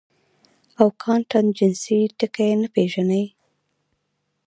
او کانټنجنسي ټکے نۀ پېژني -